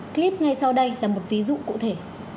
clip ngay sau đây là một ví dụ cụ thể